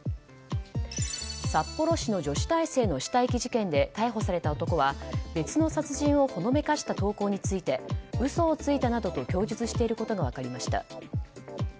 札幌市の女子大生の死体遺棄事件で逮捕された男は、別の殺人をほのめかした投稿について嘘をついたなどと供述していることが分かりました。